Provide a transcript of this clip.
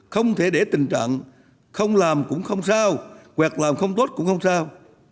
không thể để tình trạng không làm cũng không sao hoặc làm không tốt cũng không sao